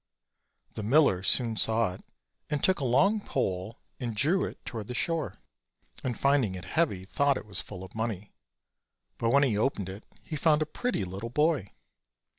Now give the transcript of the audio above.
The miller soon saw it, and took a long pole, and drew it toward the shore, and finding it heavy, thought it was full of money; but when he opened it he found a pretty little boy.